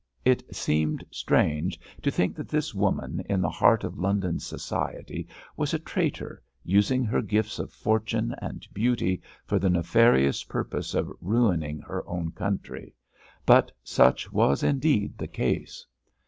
It seemed strange to think that this woman, in the heart of London society, was a traitor, using her gifts of fortune and beauty for the nefarious purpose of ruining her own country, but such was indeed the case.